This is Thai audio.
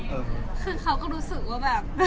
คือเขาก็รู้สึกว่าแบบ